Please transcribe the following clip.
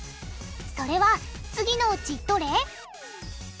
それは次のうちどれ？